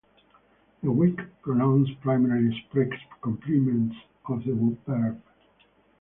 The weak pronouns primarily express complements of the verb.